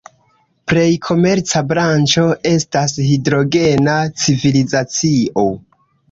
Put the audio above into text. Plej komerca branĉo estas la hidrogena civilizacio.